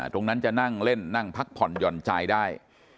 ตรงนั้นจะนั่งเล่นนั่งพักผ่อนหย่อนใจได้